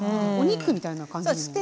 お肉みたいな感じにも。